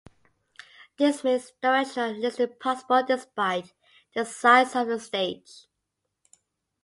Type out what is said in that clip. This makes directional listening possible despite the size of the stage.